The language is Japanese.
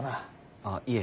ああいえ。